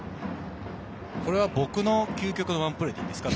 これは僕の究極のワンプレーでいいですか？